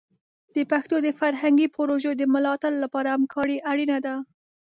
د پښتو د فرهنګي پروژو د ملاتړ لپاره همکاري اړینه ده.